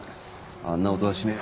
あんな音はしねえ。